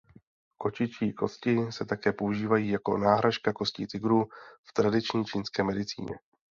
Kočičí kosti se také používají jako náhražka kostí tygrů v tradiční čínské medicíně.